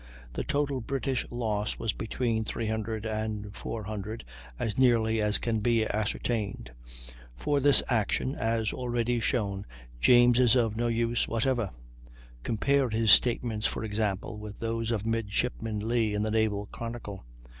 The total British loss was between 300 and 400, as nearly as can be ascertained. For this action, as already shown, James is of no use whatever. Compare his statements, for example, with those of Midshipman Lee, in the "Naval Chronicle."